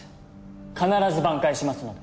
必ず挽回しますので。